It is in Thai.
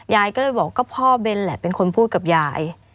ยายก็เลยบอกก็พ่อเบนแหละเป็นคนพูดกับยาย